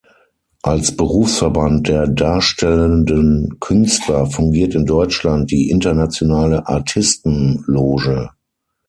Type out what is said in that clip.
Als Berufsverband der darstellenden Künstler fungiert in Deutschland die Internationale Artisten-Loge.